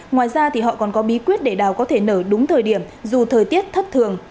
ngoài ra thì họ còn có bí quyết để đào có thể nở đúng thời điểm dù thời tiết thất thường